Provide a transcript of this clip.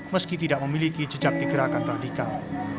meski tidak memiliki jejak di gerakan radikal